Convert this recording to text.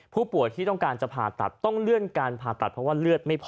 ผู้ป่วยที่ต้องการจะผ่าตัดต้องเลื่อนการผ่าตัดเพราะว่าเลือดไม่พอ